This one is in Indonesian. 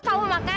kau mau makan